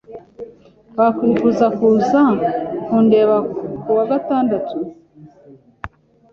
Wakwifuza kuza kundeba kuwa gatandatu?